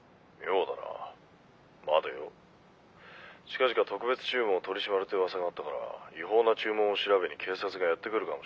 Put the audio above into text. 近々特別注文を取り締まるってうわさがあったから違法な注文を調べに警察がやって来るかもしれない。